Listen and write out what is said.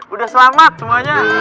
udah selamat semuanya